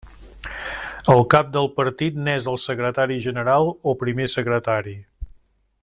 El cap del partit n'és el secretari general o primer secretari.